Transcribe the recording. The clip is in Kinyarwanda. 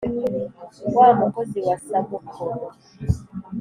Wa Mukozi wa Samukuru